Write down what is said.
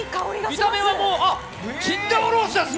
見た目はチンジャオロースです！